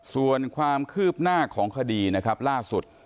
ส่วนความคืบหน้าของคดีนะครับล่าสุด